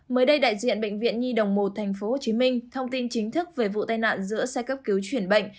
mới đây đại diện bệnh viện nhi đồng một tp hcm thông tin chính thức về vụ tai nạn giữa xe cấp cứu chuyển bệnh